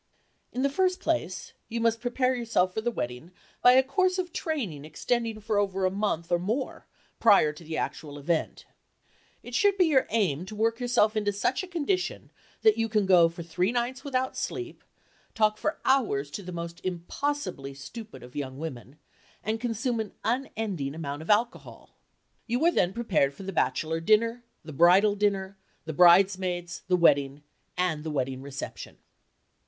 In the first place, you must prepare yourself for the wedding by a course of training extending for over a month or more prior to the actual event. It should be your aim to work yourself into such a condition that you can go for three nights without sleep, talk for hours to the most impossibly stupid of young women, and consume an unending amount of alcohol. You are then prepared for the bachelor dinner, the bridal dinner, the bridesmaids, the wedding, and the wedding reception.